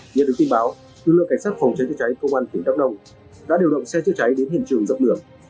như được tin báo tư lượng cảnh sát phòng cháy cháy cháy công an tỉnh đắk đông đã điều động xe cháy cháy đến hiện trường dập lửa